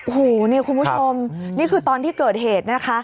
โอ้โหนี่คุณผู้ชมนี่คือตอนที่เกิดเหตุนะคะ